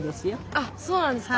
あっそうなんですか。